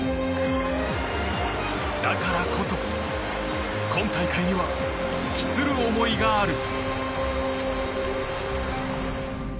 だからこそ、今大会には期する思いがある。